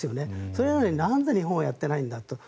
それなのになぜ日本はやってないんだと。